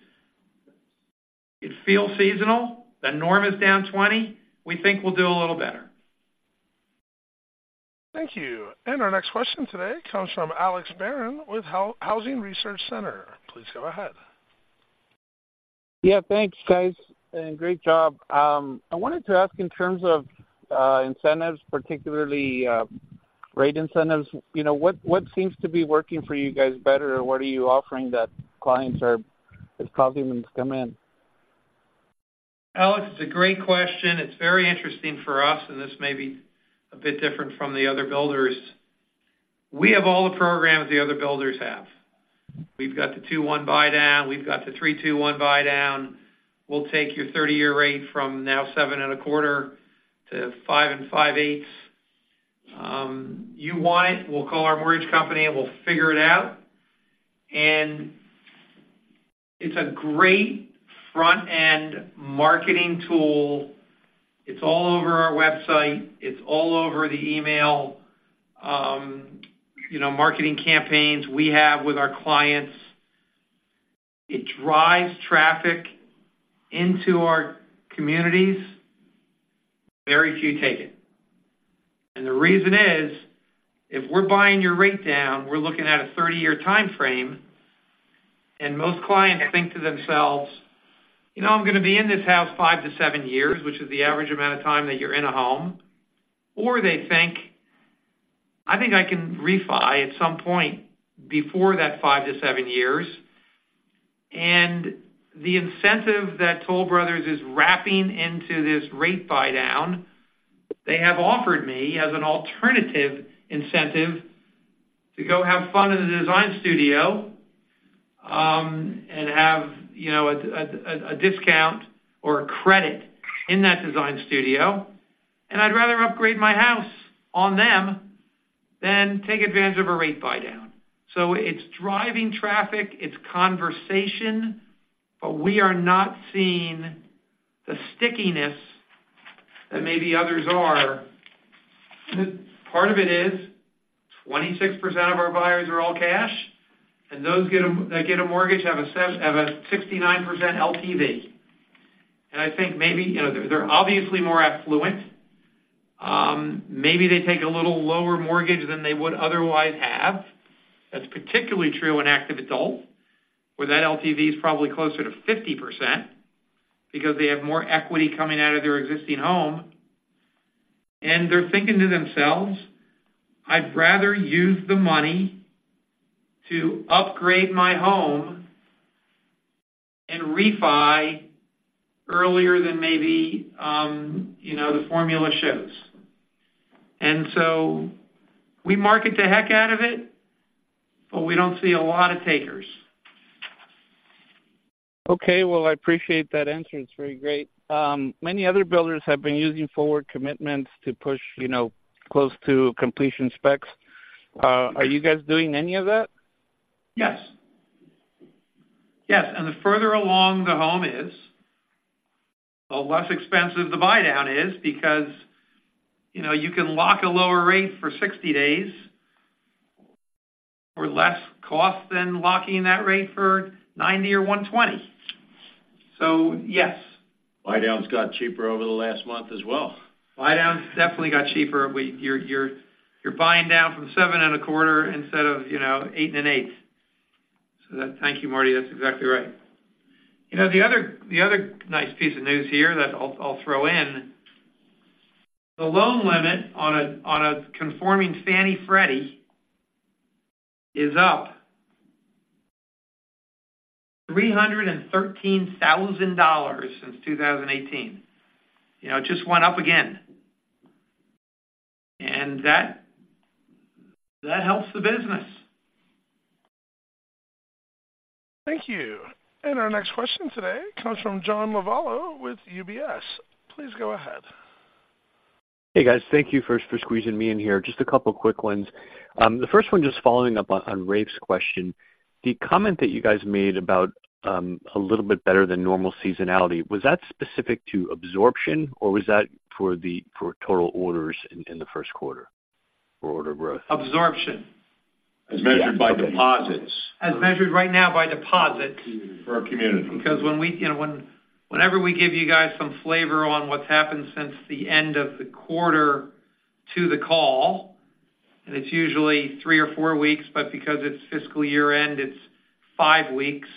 it feels seasonal. The norm is down 20. We think we'll do a little better. Thank you. And our next question today comes from Alex Barron with Housing Research Center. Please go ahead. Yeah, thanks, guys, and great job. I wanted to ask in terms of incentives, particularly rate incentives, you know, what, what seems to be working for you guys better, or what are you offering that clients are, is causing them to come in? Alex, it's a great question. It's very interesting for us, and this may be a bit different from the other builders. We have all the programs the other builders have. We've got the two-one buy down. We've got the three-two-one buy down. We'll take your 30-year rate from now 7.25 to 5.625. You want it, we'll call our mortgage company, and we'll figure it out. And it's a great front-end marketing tool. It's all over our website. It's all over the email, you know, marketing campaigns we have with our clients. It drives traffic into our communities. Very few take it. The reason is, if we're buying your rate down, we're looking at a 30-year timeframe, and most clients think to themselves: You know, I'm gonna be in this house 5-7 years, which is the average amount of time that you're in a home. Or they think, I think I can refi at some point before that 5-7 years. And the incentive that Toll Brothers is wrapping into this rate buy down, they have offered me, as an alternative incentive, to go have fun in the design studio, and have, you know, a discount or a credit in that design studio, and I'd rather upgrade my house on them than take advantage of a rate buy down. So it's driving traffic, it's conversation, but we are not seeing the stickiness that maybe others are. Part of it is 26% of our buyers are all cash, and those that get a mortgage have a 69% LTV. And I think maybe, you know, they're obviously more affluent. Maybe they take a little lower mortgage than they would otherwise have. That's particularly true in active adults, where that LTV is probably closer to 50% because they have more equity coming out of their existing home, and they're thinking to themselves, "I'd rather use the money to upgrade my home and refi earlier than maybe, you know, the formula shows." And so we market the heck out of it, but we don't see a lot of takers. Okay, well, I appreciate that answer. It's very great. Many other builders have been using forward commitments to push, you know, close to completion specs. Are you guys doing any of that? Yes. Yes, and the further along the home is, the less expensive the buydown is, because, you know, you can lock a lower rate for 60 days for less cost than locking that rate for 90 or 120. So yes. Buy-downs got cheaper over the last month as well. Buy downs definitely got cheaper. We're buying down from 7.25 instead of, you know, 8.125. So thank you, Marty. That's exactly right. You know, the other nice piece of news here that I'll throw in, the loan limit on a conforming Fannie Freddie is up $313,000 since 2018. You know, it just went up again, and that helps the business. Thank you. And our next question today comes from John Lovallo with UBS. Please go ahead. Hey, guys. Thank you first for squeezing me in here. Just a couple quick ones. The first one, just following up on Rafe's question. The comment that you guys made about a little bit better than normal seasonality, was that specific to absorption, or was that for total orders in the first quarter for order growth? Absorption. As measured by deposits. As measured right now by deposits. For our community. Because when we, you know, whenever we give you guys some flavor on what's happened since the end of the quarter to the call, and it's usually 3 or 4 weeks, but because it's fiscal year-end, it's 5 weeks.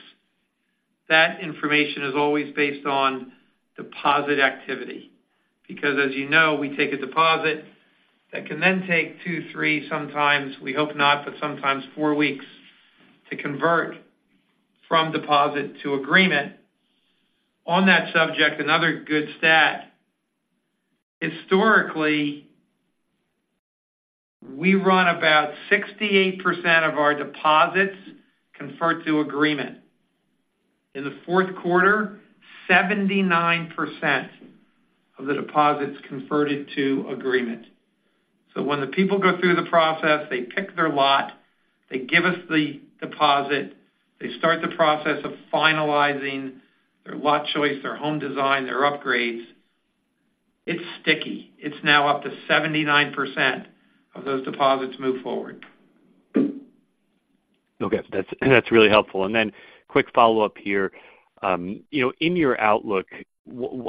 That information is always based on deposit activity, because as you know, we take a deposit that can then take 2, 3, sometimes, we hope not, but sometimes 4 weeks to convert from deposit to agreement. On that subject, another good stat: historically, we run about 68% of our deposits convert to agreement. In the fourth quarter, 79% of the deposits converted to agreement. So when the people go through the process, they pick their lot, they give us the deposit, they start the process of finalizing their lot choice, their home design, their upgrades. It's sticky. It's now up to 79% of those deposits move forward. Okay, that's, that's really helpful. And then quick follow-up here. You know, in your outlook,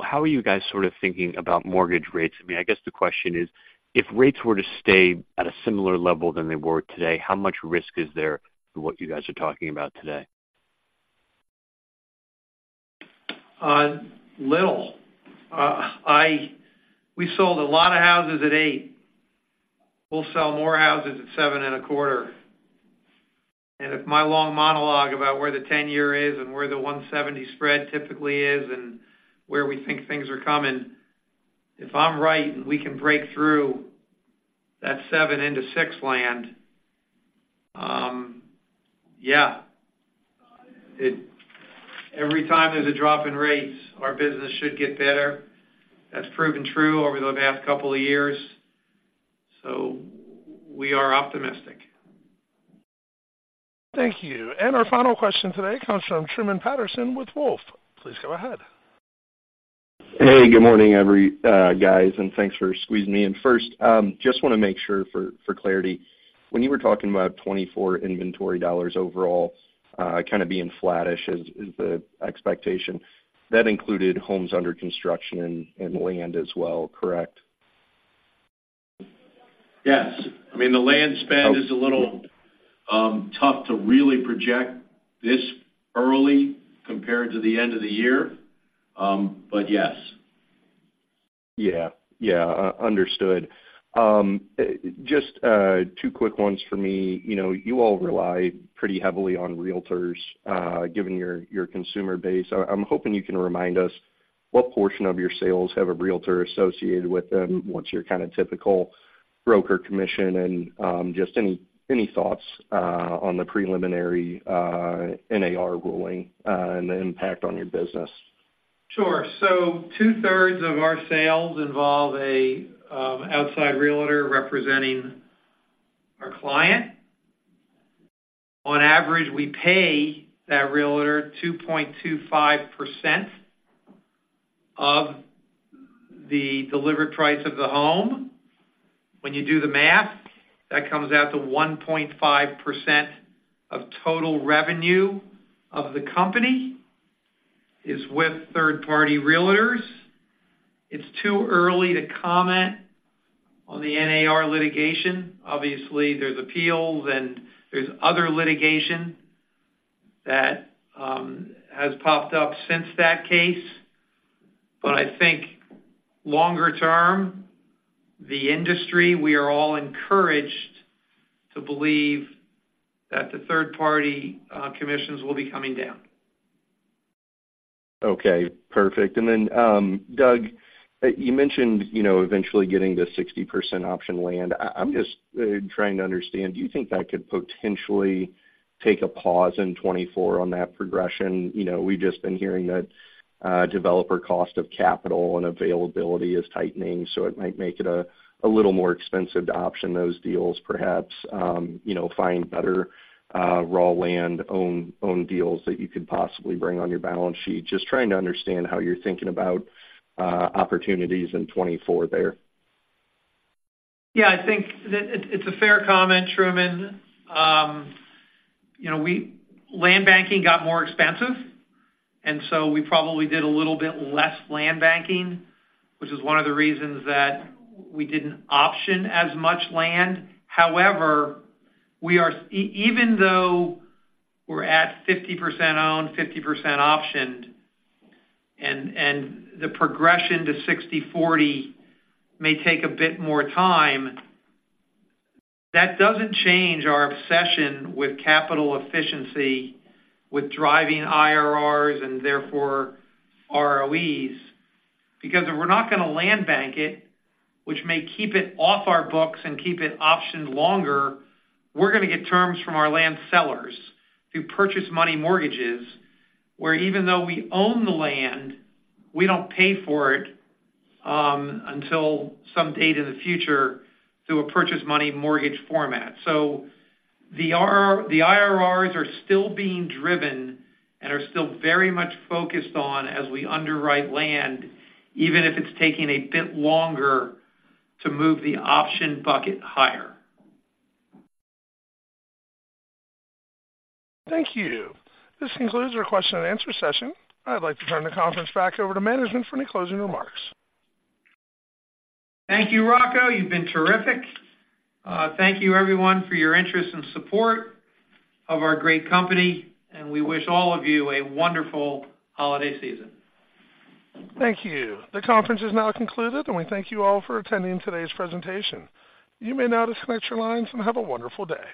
how are you guys sort of thinking about mortgage rates? I mean, I guess the question is: if rates were to stay at a similar level than they were today, how much risk is there to what you guys are talking about today? Little. We sold a lot of houses at 8. We'll sell more houses at 7.25. And if my long monologue about where the 10-year is and where the 170 spread typically is and where we think things are coming, if I'm right, and we can break through that 7 into 6 land, yeah, it... Every time there's a drop in rates, our business should get better. That's proven true over the past couple of years, so we are optimistic. Thank you. Our final question today comes from Truman Patterson with Wolfe. Please go ahead. Hey, good morning, everybody, guys, and thanks for squeezing me in. First, just want to make sure for, for clarity, when you were talking about $24 inventory dollars overall, kind of being flattish is, is the expectation, that included homes under construction and, and land as well, correct? Yes. I mean, the land spend is a little tough to really project this early compared to the end of the year, but yes. Yeah, yeah, understood. Just two quick ones for me. You know, you all rely pretty heavily on Realtors, given your consumer base. I'm hoping you can remind us what portion of your sales have a realtor associated with them? What's your kind of typical broker commission? And just any thoughts on the preliminary NAR ruling and the impact on your business? Sure. So two-thirds of our sales involve a outside realtor representing our client. On average, we pay that realtor 2.25% of the delivered price of the home. When you do the math, that comes out to 1.5% of total revenue of the company is with third-party realtors. It's too early to comment on the NAR litigation. Obviously, there's appeals and there's other litigation that has popped up since that case. But I think longer term, the industry, we are all encouraged to believe that the third-party commissions will be coming down. Okay, perfect. And then, Doug, you mentioned, you know, eventually getting to 60% option land. I'm just trying to understand, do you think that could potentially take a pause in 2024 on that progression? You know, we've just been hearing that developer cost of capital and availability is tightening, so it might make it a little more expensive to option those deals, perhaps, you know, find better raw land, own deals that you could possibly bring on your balance sheet. Just trying to understand how you're thinking about opportunities in 2024 there.... Yeah, I think it's a fair comment, Truman. You know, we land banking got more expensive, and so we probably did a little bit less land banking, which is one of the reasons that we didn't option as much land. However, even though we're at 50% owned, 50% optioned, and the progression to 60/40 may take a bit more time, that doesn't change our obsession with capital efficiency, with driving IRRs and therefore ROEs. Because if we're not gonna land bank it, which may keep it off our books and keep it optioned longer, we're gonna get terms from our land sellers through purchase money mortgages, where even though we own the land, we don't pay for it until some date in the future through a purchase money mortgage format. The IRRs are still being driven and are still very much focused on as we underwrite land, even if it's taking a bit longer to move the option bucket higher. Thank you. This concludes our question and answer session. I'd like to turn the conference back over to management for any closing remarks. Thank you, Rocco. You've been terrific. Thank you everyone for your interest and support of our great company, and we wish all of you a wonderful holiday season. Thank you. The conference is now concluded, and we thank you all for attending today's presentation. You may now disconnect your lines, and have a wonderful day.